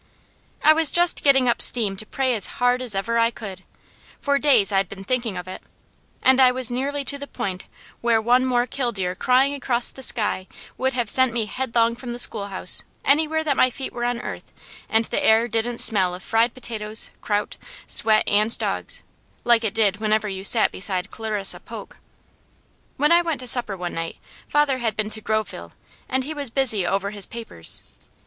I was just getting up steam to pray as hard as ever I could; for days I'd been thinking of it, and I was nearly to the point where one more killdeer crying across the sky would have sent me headlong from the schoolhouse anywhere that my feet were on earth, and the air didn't smell of fried potatoes, kraut, sweat, and dogs, like it did whenever you sat beside Clarissa Polk. When I went to supper one night; father had been to Groveville, and he was busy over his papers.